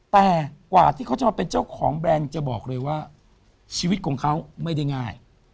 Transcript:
แต่กว่าที่เขาจะมาเป็นเจ้าของแบรนด์จะบอกเลยว่าชีวิตของเขาไม่ได้ง่าย